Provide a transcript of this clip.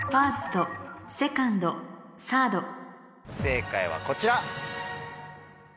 正解はこちら。